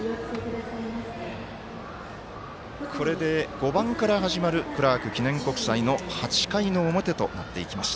これで５番から始まるクラーク記念国際の８回の表となっていきます。